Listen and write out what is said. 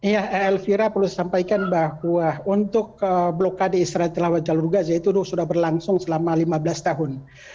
ya elvira perlu disampaikan bahwa untuk blokade israel tilawat jalur gaza itu sudah berlangsung selama lima belas tahun